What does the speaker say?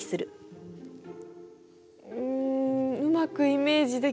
うんうまくイメージできない。